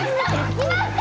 いました！